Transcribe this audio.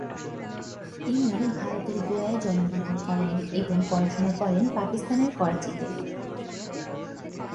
তিনি ভারতের গোয়ায় জন্মগ্রহণ করেন এবং পড়াশোনা করেন পাকিস্তানের করাচিতে।